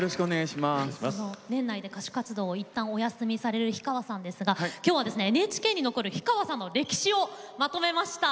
年内で歌手活動を、いったんお休みされる氷川さんですが今夜はＮＨＫに残る氷川さんの歴史をまとめました。